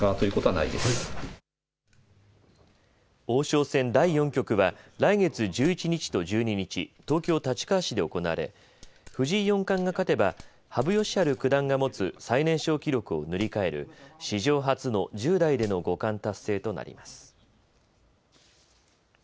王将戦第４局は、来月１１日と１２日、東京立川市で行われ、藤井四冠が勝てば羽生善治九段が持つ最年少記録を塗り替える史上初の１０代での五冠達成となります。